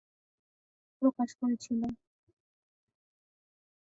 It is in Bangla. প্রকাশ করেছিল।